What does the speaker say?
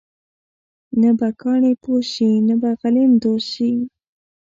نه به کاڼې پوست شي ، نه به غلیم دوست شي.